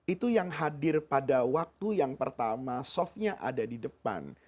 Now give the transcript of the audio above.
itu yang hadir pada waktu yang pertama softnya ada di depan